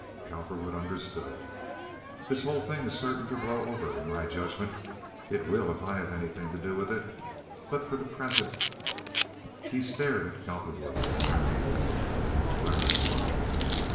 (Cowperwood understood.) "This whole thing is certain to blow over, in my judgment; it will if I have anything to do with it; but for the present—" He stared at Cowperwood in a friendly way. The latter smiled.